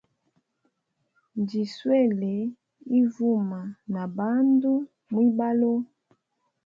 Njiswele ivuma na bandu mwibalo.